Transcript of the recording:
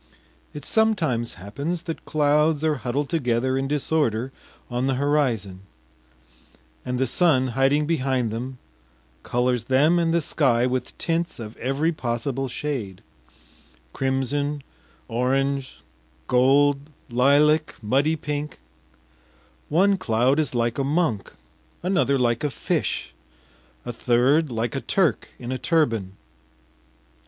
It sometimes happens that clouds are huddled together in disorder on the horizon, and the sun hiding behind them colors them and the sky with tints of every possible shade crimson, orange, gold, lilac, muddy pink; one cloud is like a monk, another like a fish, a third like a Turk in a turban.